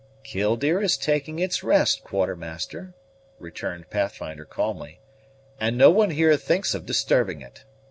"Killdeer is taking its rest, Quartermaster," returned Pathfinder calmly, "and no one here thinks of disturbing it.